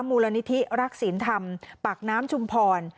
มูลนิธิรักศีลธรรมปากน้ำชุมพร